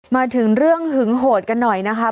มาถึงเรื่องหึงโหดกันหน่อยนะคะ